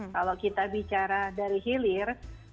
kalau kita bicara dari hilir